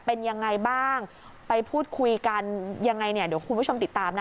เป็นยังไงบ้างไปพูดคุยกันยังไงเนี่ยเดี๋ยวคุณผู้ชมติดตามนะ